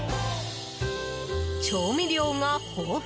調味料が豊富！